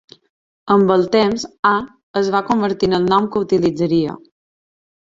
Amb el temps, "A" es va convertir en el nom que utilitzaria.